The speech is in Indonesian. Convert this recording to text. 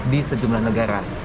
di sejumlah negara